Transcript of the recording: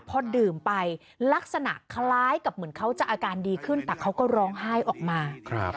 พอดื่มไปลักษณะคล้ายกับเหมือนเขาจะอาการดีขึ้นแต่เขาก็ร้องไห้ออกมา